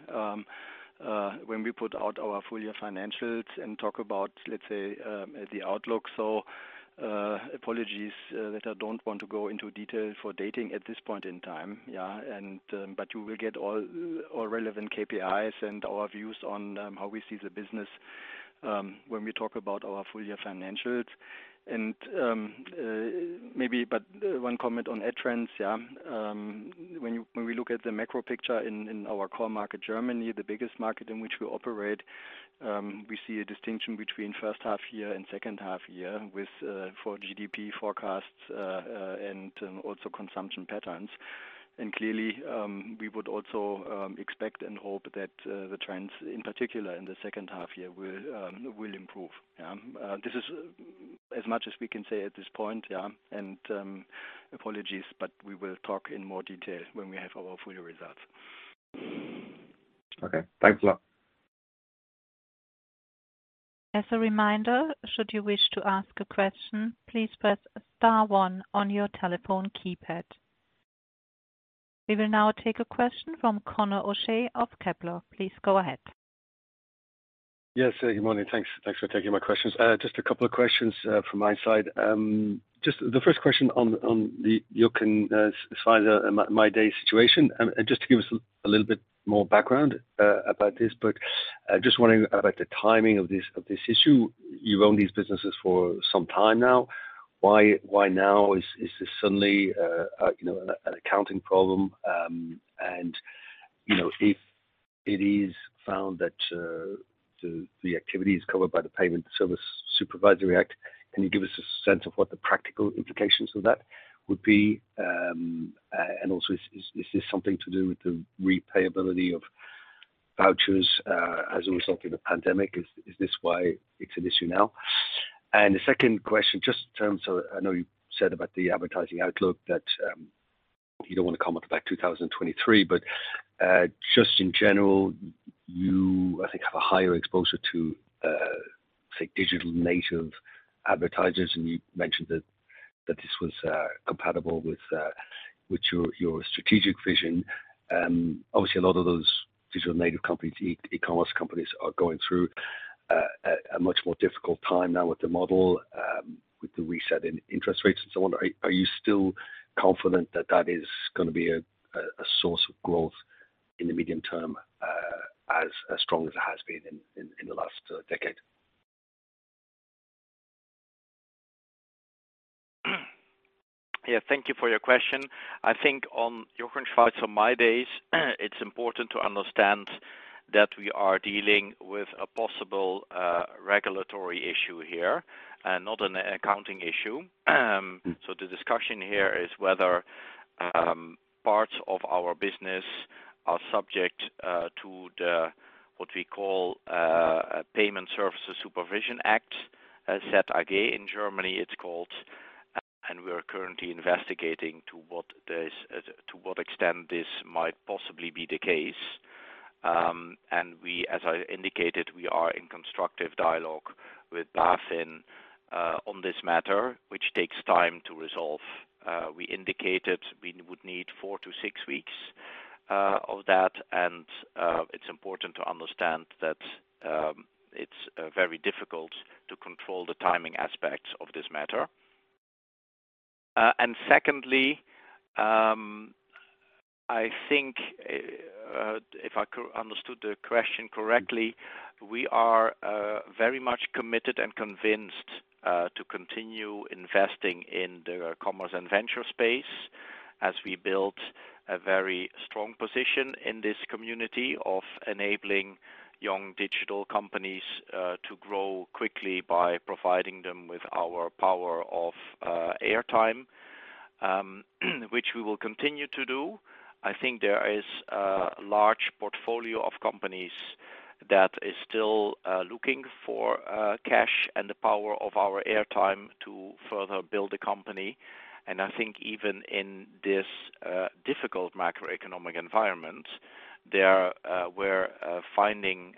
when we put out our full year financials and talk about, let's say, the outlook. Apologies that I don't want to go into detail for dating at this point in time. You will get all relevant KPIs and our views on how we see the business when we talk about our full year financials. Maybe but one comment on ad trends. When you, when we look at the macro picture in our core market, Germany, the biggest market in which we operate, we see a distinction between first half year and second half year with for GDP forecasts and also consumption patterns. Clearly, we would also expect and hope that the trends in particular in the second half year will improve. This is as much as we can say at this point. Apologies, but we will talk in more detail when we have our full year results. Okay, thanks a lot. As a reminder, should you wish to ask a question, please press star one on your telephone keypad. We will now take a question from Conor O'Shea of Kepler Cheuvreux. Please go ahead. Yes. Good morning. Thanks for taking my questions. Just a couple of questions from my side. Just the first question on the Jochen Schweizer mydays situation. Just to give us a little bit more background about this, but just wondering about the timing of this issue. You've owned these businesses for some time now. Why, why now? Is this suddenly, you know, an accounting problem? You know, if it is found that the activity is covered by the Payment Services Supervision Act, can you give us a sense of what the practical implications of that would be? Also is this something to do with the repayability of vouchers as a result of the pandemic? Is this why it's an issue now? The second question, just in terms of... I know you said about the advertising outlook that you don't want to comment about 2023, but just in general, you, I think, have a higher exposure to, say, digital native advertisers, and you mentioned that this was compatible with your strategic vision. Obviously a lot of those digital native companies, e-commerce companies are going through a much more difficult time now with the model, with the reset in interest rates and so on. Are you still confident that that is gonna be a source of growth in the medium term, as strong as it has been in the last decade? Thank you for your question. I think on Jochen Schweizer mydays, it's important to understand that we are dealing with a possible regulatory issue here and not an accounting issue. The discussion here is whether parts of our business are subject to the, what we call, a Payment Services Supervision Act, ZAG in Germany, it's called, and we are currently investigating to what extent this might possibly be the case. We as I indicated, we are in constructive dialogue with BaFin on this matter, which takes time to resolve. We indicated we would need four to six weeks of that. It's important to understand that it's very difficult to control the timing aspects of this matter. Secondly, I think, if I understood the question correctly, we are very much committed and convinced to continue investing in the commerce and venture space as we build a very strong position in this community of enabling young digital companies to grow quickly by providing them with our power of air time, which we will continue to do. I think there is a large portfolio of companies that is still looking for cash and the power of our air time to further build the company. I think even in this difficult macroeconomic environment, there we're finding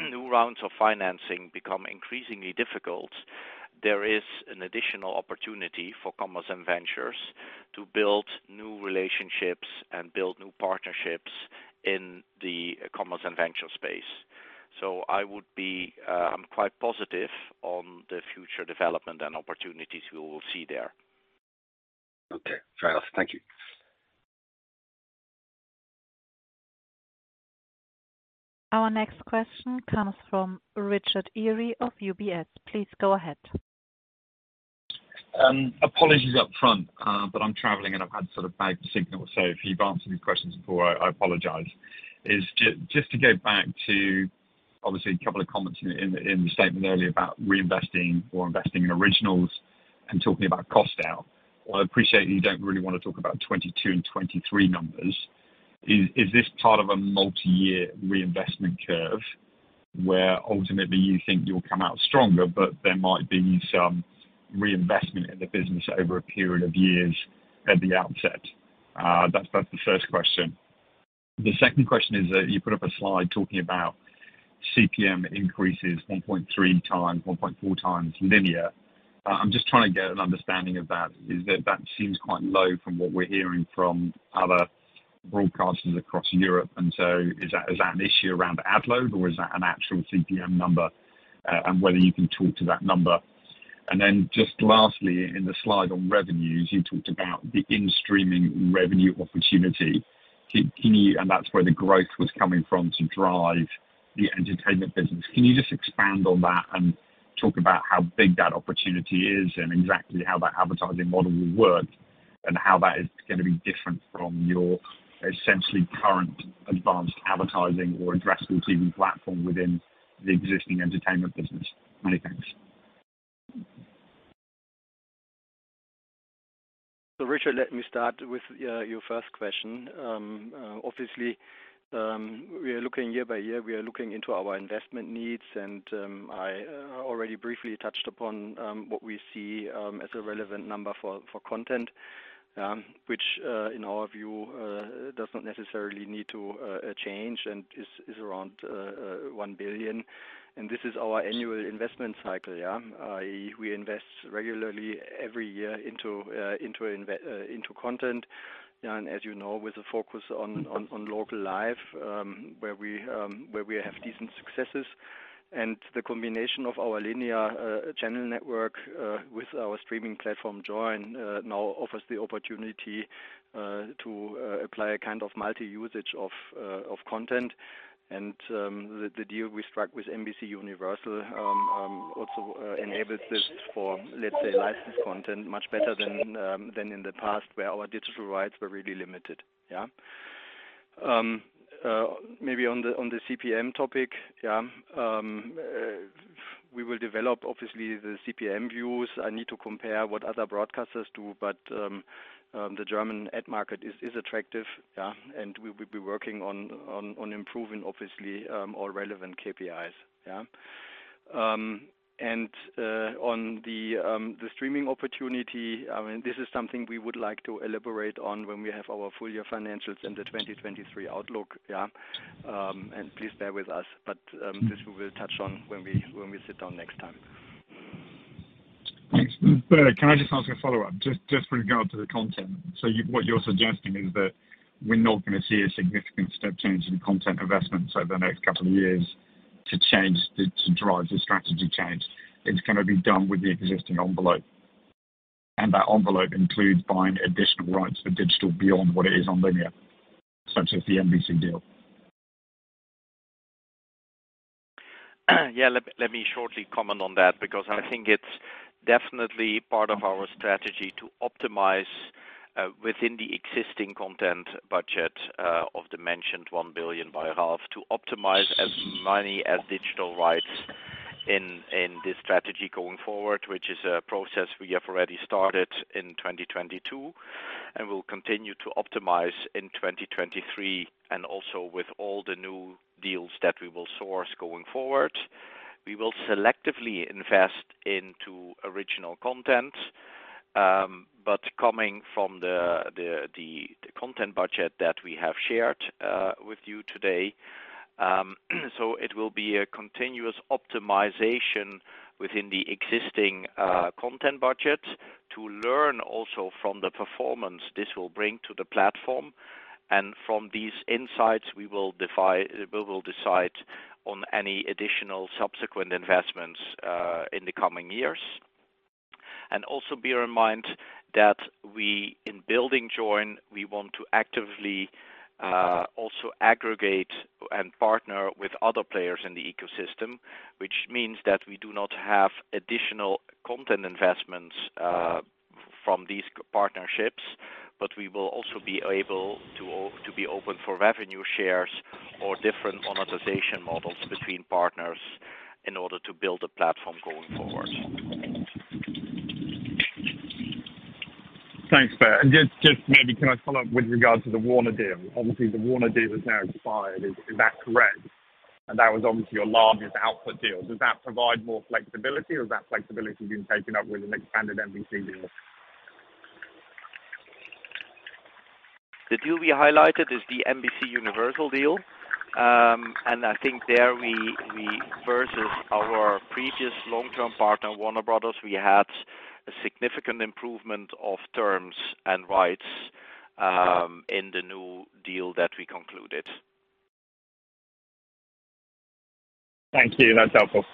new rounds of financing become increasingly difficult. There is an additional opportunity for commerce and ventures to build new relationships and build new partnerships in the commerce and venture space. I'm quite positive on the future development and opportunities we will see there. Okay. Fair enough. Thank you. Our next question comes from Richard Eary of UBS. Please go ahead. Apologies up front, but I'm traveling, and I've had sort of bad signal. If you've answered these questions before, I apologize. Just to go back to obviously a couple of comments in the statement earlier about reinvesting or investing in originals and talking about cost out. While I appreciate you don't really want to talk about 2022 and 2023 numbers, is this part of a multi-year reinvestment curve where ultimately you think you'll come out stronger, but there might be some reinvestment in the business over a period of years at the outset? That's the first question. The second question is that you put up a slide talking about CPM increases 1.3 times, 1.4 times linear. I'm just trying to get an understanding of that, is that that seems quite low from what we're hearing from other broadcasters across Europe. Is that, is that an issue around ad load or is that an actual CPM number, and whether you can talk to that number? Just lastly, in the slide on revenues, you talked about the in-streaming revenue opportunity. That's where the growth was coming from to drive the entertainment business. Can you just expand on that and talk about how big that opportunity is and exactly how that advertising model will work and how that is gonna be different from your essentially current advanced advertising or addressable TV platform within the existing entertainment business? Many thanks. Richard, let me start with your first question. Obviously, we are looking year by year. We are looking into our investment needs. I already briefly touched upon what we see as a relevant number for content, which in our view does not necessarily need to change and is around 1 billion. This is our annual investment cycle. We invest regularly every year into content. As you know, with a focus on local live, where we have decent successes. The combination of our linear channel network with our streaming platform Joyn now offers the opportunity to apply a kind of multi usage of content. The deal we struck with NBCUniversal also enables this for, let's say, licensed content much better than in the past where our digital rights were really limited. Maybe on the CPM topic. We will develop obviously the CPM views. I need to compare what other broadcasters do, but the German ad market is attractive. We will be working on improving obviously all relevant KPIs. On the streaming opportunity, I mean, this is something we would like to elaborate on when we have our full year financials and the 2023 outlook. Please bear with us. This we will touch on when we sit down next time. Thanks. Bert, can I just ask a follow-up? Just with regard to the content. What you're suggesting is that we're not going to see a significant step change in content investments over the next couple of years to drive the strategy change. It's going to be done with the existing envelope. That envelope includes buying additional rights for digital beyond what it is on linear, such as the NBC deal. Yeah. Let me shortly comment on that, because I think it's definitely part of our strategy to optimize within the existing content budget of the mentioned 1 billion by half, to optimize as many as digital rights in this strategy going forward, which is a process we have already started in 2022 and will continue to optimize in 2023. Also with all the new deals that we will source going forward. We will selectively invest into original content. Coming from the content budget that we have shared with you today. It will be a continuous optimization within the existing content budget to learn also from the performance this will bring to the platform. From these insights, we will decide on any additional subsequent investments in the coming years. Also bear in mind that in building Joyn, we want to actively also aggregate and partner with other players in the ecosystem, which means that we do not have additional content investments from these partnerships. We will also be able to be open for revenue shares or different monetization models between partners in order to build a platform going forward. Thanks, Bert. Just maybe can I follow up with regards to the Warner deal? Obviously, the Warner deal has now expired. Is that correct? That was obviously your largest output deal. Does that provide more flexibility or is that flexibility being taken up with an expanded NBC deal? The deal we highlighted is the NBCUniversal deal. I think there we versus our previous long-term partner, Warner Bros., we had a significant improvement of terms and rights in the new deal that we concluded. Thank you. That's helpful.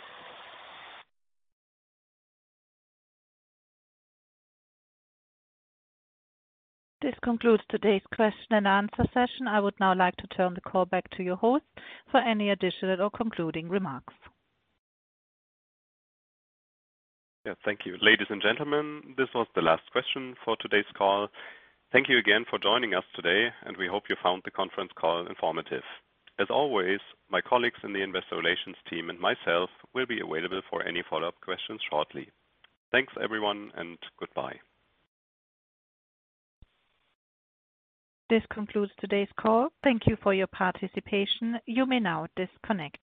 This concludes today's question and answer session. I would now like to turn the call back to your host for any additional or concluding remarks. Yeah. Thank you. Ladies and gentlemen, this was the last question for today's call. Thank you again for joining us today, and we hope you found the conference call informative. As always, my colleagues in the investor relations team and myself will be available for any follow-up questions shortly. Thanks everyone and goodbye. This concludes today's call. Thank you for your participation. You may now disconnect.